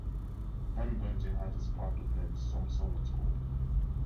Van Bunge had his part to play with some solid scores.